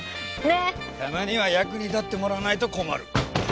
たまには役に立ってもらわないと困る。